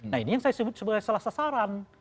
nah ini yang saya sebut sebagai salah sasaran